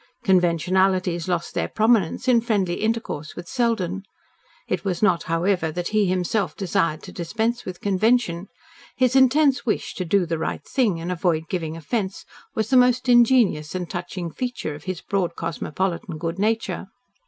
Conventionalities lost their prominence in friendly intercourse with Selden. It was not, however, that he himself desired to dispense with convention. His intense wish to "do the right thing," and avoid giving offence was the most ingenuous and touching feature of his broad cosmopolitan good nature.